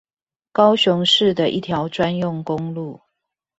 高雄市的一條專用公路